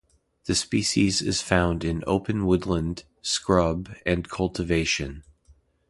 The species is found in open woodland, scrub, and cultivation.